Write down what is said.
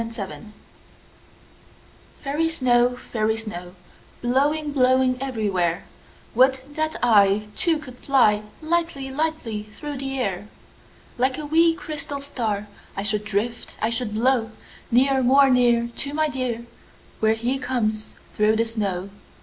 Snow Song FAIRY snow, fairy snow, Blowing, blowing everywhere, Would that I Too, could fly Lightly, lightly through the air. Like a wee, crystal star I should drift, I should blow Near, more near, To my dear Where he comes through the snow.